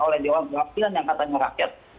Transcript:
oleh dewan perwakilan yang katanya rakyat